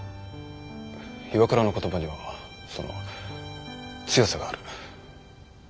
岩倉の言葉にはその強さがある。